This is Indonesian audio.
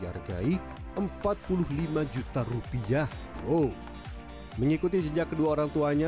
harga beduk bervariasi sesuai dengan kualitas